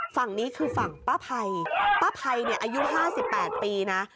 ฝั่งนี้คือฝั่งป้าไพ่ป้าไพ่เนี่ยอายุห้าสิบแปดปีนะ